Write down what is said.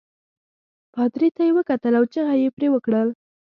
پادري ته یې وکتل او چغه يې پرې وکړل.